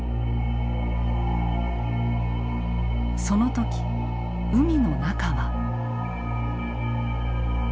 その時海の中は。